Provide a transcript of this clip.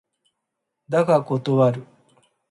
だが断る。